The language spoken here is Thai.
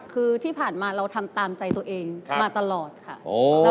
คือที่ผ่านมาเราทำตามใจตัวเองมาตลอดค่ะ